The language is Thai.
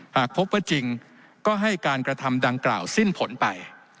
หากพบว่าจริงก็ให้การกระทำดังกล่าวสิ้นผลไป